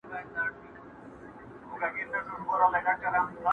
د لېوه ستونی فارغ سو له هډوکي.!